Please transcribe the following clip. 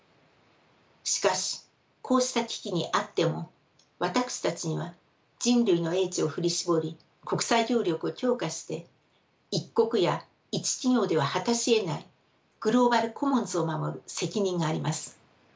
しかしこうした危機にあっても私たちには人類の英知を振り絞り国際協力を強化して一国や一企業では果たしえないグローバル・コモンズを守る責任があります。